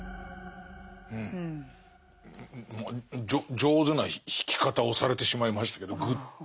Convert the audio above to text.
上手な引き方をされてしまいましたけどグッと。